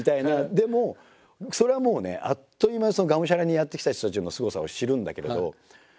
でもそれはもうねあっという間にがむしゃらにやってきた人たちのすごさを知るんだけど。